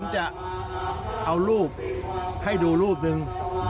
จะเอารูปให้ดูรูปหนึ่ง